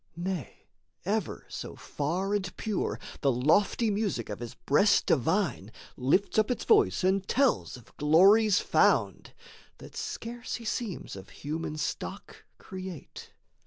Nay, ever so far and pure The lofty music of his breast divine Lifts up its voice and tells of glories found, That scarce he seems of human stock create.